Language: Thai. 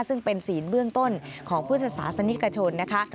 ซึ่งเป็นศีลเบื้องต้นของพุทธศาสนิกชนนะคะ